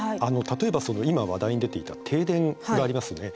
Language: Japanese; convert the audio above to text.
例えば今話題に出ていた停電がありますね。